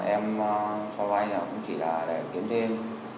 em cho vay là cũng chỉ là để kiếm thêm